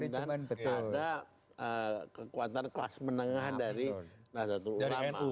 dan ada kekuatan kelas menengah dari satu ulama